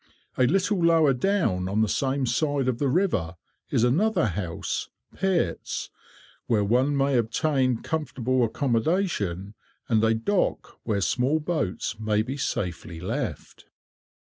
A little lower down, on the same side of the river, is another house, "Peart's," where one may obtain comfortable accommodation, and a "dock" where small boats may be safely left.